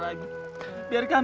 ibu tidak ada